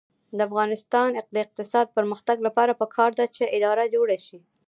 د افغانستان د اقتصادي پرمختګ لپاره پکار ده چې اداره جوړه شي.